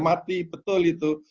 ya mati betul itu